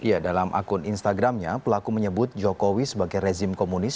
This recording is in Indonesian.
ya dalam akun instagramnya pelaku menyebut jokowi sebagai rezim komunis